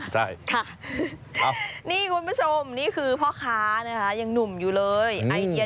ไหนสุโขทัยก็มีเนี่ย